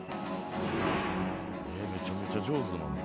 めちゃめちゃ上手なのに。